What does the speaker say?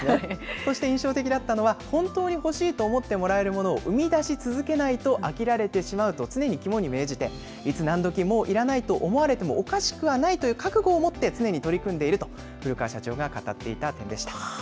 そして印象的だったのは、本当に欲しいと思ってもらえるものを生み出し続けないと飽きられてしまうと常に肝に銘じて、いつ何時もういらないと思われてもおかしくないと覚悟を持って、常に取り組んでいると、古川社長が語っている点でした。